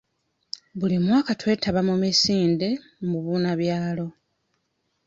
Buli mwaka twetaba mu misinde mubunabyalo.